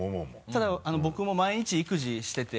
ただ僕も毎日育児してて。